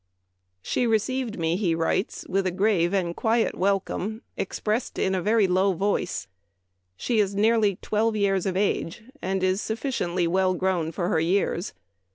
" She received me," he writes, " with a grave and quiet welcome, expressed in a very low voice. She is nearly twelve years of age, and is sufficiently well grown for her years.